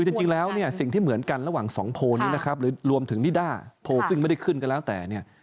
คือจริงแล้วเนี่ยสิ่งที่เหมือนกันระหว่างสองโพลนี้นะครับหรือรวมถึงนิด้าโพลซึ่งไม่ได้ขึ้นก็แล้วแต่เนี่ย